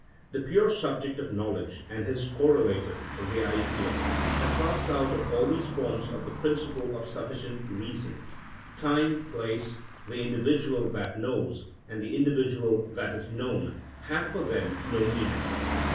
The pure subject of knowledge and his correlative, the Idea, have passed out of all these forms of the principle of sufficient reason: time, place, the individual that knows, and the individual that is known, have for them no meaning.